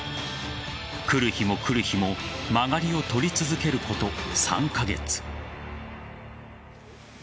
来る日も来る日も曲がりを取り続けること３カ月。